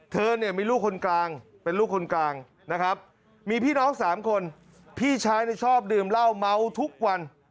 เธอเนี่ยมีลูกคนกลางเป็นลูกคนกลางนะครับมีพี่น้อง๓คนพี่ชายชอบดื่มเหล้าเมาทุกวัน